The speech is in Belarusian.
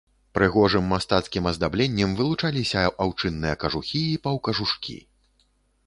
Прыгожым мастацкім аздабленнем вылучаліся аўчынныя кажухі і паўкажушкі.